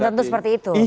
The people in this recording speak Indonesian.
belum tentu seperti itu